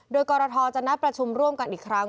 โดยกรทจะนัดประชุมร่วมกันอีกครั้ง